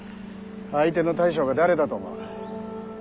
相手の大将が誰だと思う。